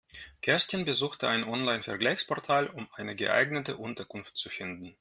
Kerstin besuchte ein Online-Vergleichsportal, um eine geeignete Unterkunft zu finden.